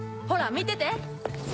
見てて。